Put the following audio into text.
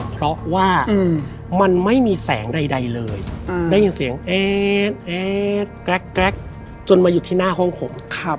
เพราะว่ามันไม่มีแสงใดเลยได้ยินเสียงแอ๊ดแอดแกรกจนมาอยู่ที่หน้าห้องผม